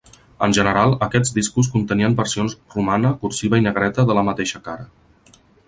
En general, aquests discos contenien versions romana, cursiva i negreta de la mateixa cara.